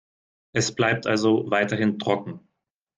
Es bleibt also weiterhin trocken.